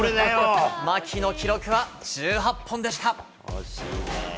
牧の記録は１８本でした。